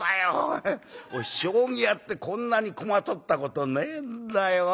俺将棋やってこんなに駒取ったことねえんだよ。